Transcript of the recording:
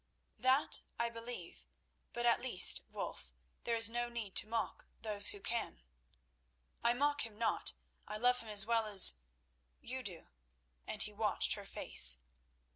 "That I believe, but at least, Wulf, there is no need to mock those who can." "I mock him not. I love him as well as—you do." And he watched her face.